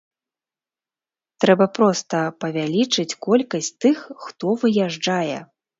Трэба проста павялічыць колькасць тых, хто выязджае.